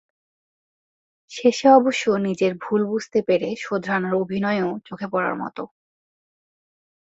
শেষে অবশ্য নিজের ভুল বুঝতে পেরে শোধরানোর অভিনয়ও চোখে পড়ার মতো।